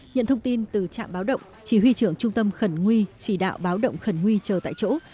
nhận thông tin từ trạm báo động chỉ huy trưởng trung tâm khẩn nguy chỉ đạo báo động khẩn nguy chờ tại chỗ